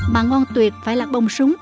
mặt ngon tuyệt phải là bông súng